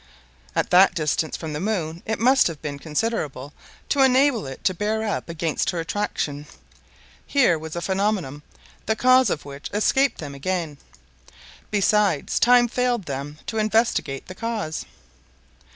At that distance from the moon it must have been considerable, to enable it to bear up against her attraction. Here was a phenomenon the cause of which escaped them again. Besides, time failed them to investigate the cause.